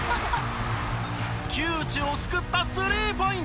窮地を救ったスリーポイント！